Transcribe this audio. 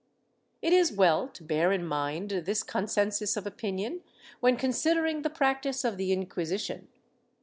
^ It is well to bear in mind this con sensus of opinion when considering the practice of the Inquisition.